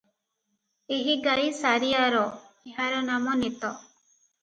ଏହିଗାଈ ସାରିଆର ଏହାର ନାମ ନେତ ।